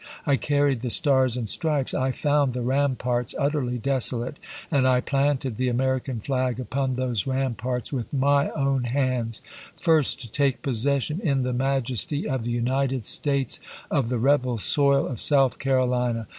I carried the stars and stripes. I found the ramparts utterly desolate, and I planted the American flag upon those ramparts with my own hands — first to take possession, in the majesty of the United States, of the rebel soil of South Carolina.